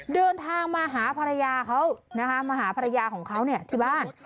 เดินทางมาหาภรรยาเขานะคะมาหาภรรยาของเขาที่บ้าน